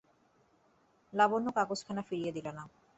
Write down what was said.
লাবণ্য কাগজখানা ফিরিয়ে দিলে না।